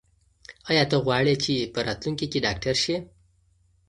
ایا ته غواړې چې په راتلونکي کې ډاکټر شې؟